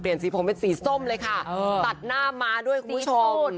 สีผมเป็นสีส้มเลยค่ะตัดหน้าม้าด้วยคุณผู้ชม